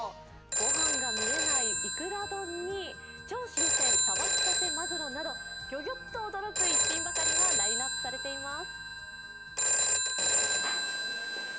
ご飯が見えないいくら丼に超新鮮さばきたてのマグロなどギョギョッと驚く逸品ばかりがラインナップされています。